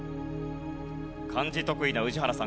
漢字得意な宇治原さん